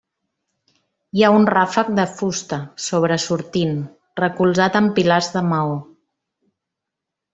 Hi ha un ràfec de fusta, sobresortint, recolzat en pilars de maó.